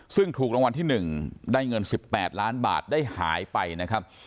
ซึ่งถูกรางวัลที่๑ได้เงิน๑๘ล้านบาทได้หายไปนะครับ